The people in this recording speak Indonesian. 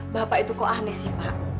bapak itu kok aneh sih pak